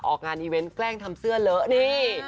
ออกงานอีเวนต์แกล้งทำเสื้อเลอะนี่